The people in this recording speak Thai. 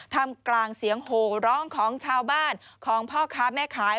ทำกลางเสียงโหร้องของชาวบ้านของพ่อค้าแม่ขาย